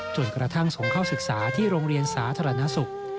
จนกระทั่งส่งเข้าศึกษาที่โรงเรียนสาธารณสุข